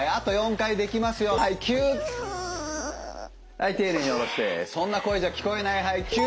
はい丁寧に下ろしてそんな声じゃ聞こえないはいきゅ。